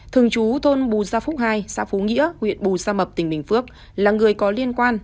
thường chú thôn bù sa phúc ii xã phú nghĩa huyện bù sa mập tỉnh bình phước là người có liên quan